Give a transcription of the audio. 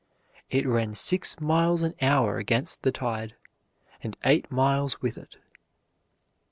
It ran six miles an hour against the tide, and eight miles with it.